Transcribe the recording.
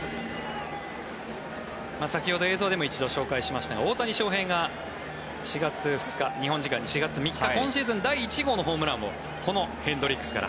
先ほど映像でもご紹介しましたが大谷翔平が４月２日、日本時間の４月３日今シーズン第１号のホームランをこのヘンドリックスから